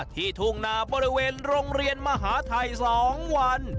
ที่ทุ่งหน้าบริเวณโรงเรียนมหาไทยสองวัน